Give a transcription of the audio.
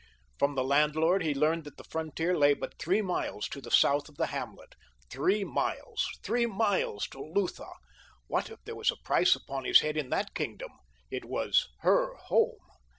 From the landlord he learned that the frontier lay but three miles to the south of the hamlet. Three miles! Three miles to Lutha! What if there was a price upon his head in that kingdom? It was HER home.